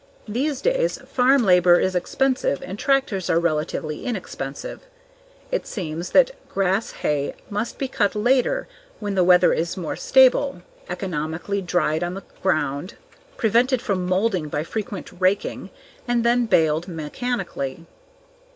These days, farm labor is expensive and tractors are relatively inexpensive. It seems that grass hay must be cut later when the weather is more stable, economically dried on the ground, prevented from molding by frequent raking, and then baled mechanically.